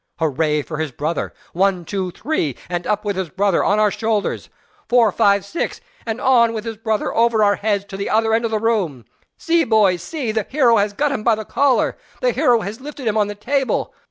Hooray for his brother! One, two, three and up with his brother on our shoulders! Four five, six and on with his brother, over our heads, to the other end of the room! See, boys see! the hero has got him by the collar! the hero has lifted him on the table!